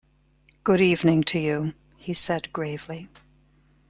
“Good evening to you,” he said gravely.